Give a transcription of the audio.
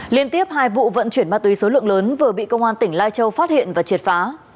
liên tiếp hai vụ vận chuyển ma túy số lượng lớn vừa bị công an tỉnh lai châu phát hiện và triệt phá